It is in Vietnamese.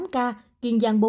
tám ca kiên giang